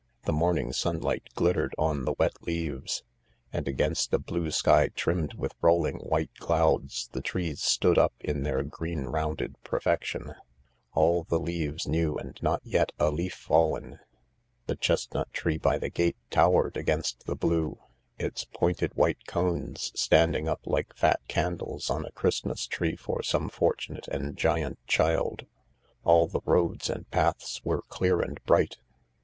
The morning sunlight glittered on the wet leaves, and against a blue sky trimmed with rolling white clouds the trees stood up in their green rounded perfection — all the leaves new and not yet a leaf fallen. The chestnut tree by the gate towered against the blue, its pointed white cones standing up like fat candles on a Christmas tree for some fortunate and giant child. All the roads and paths were clear and bright.